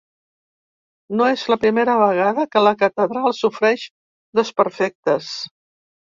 No és la primera vegada que la catedral sofreix desperfectes.